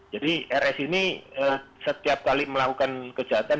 jadi rs ini setiap kali melakukan kejahatan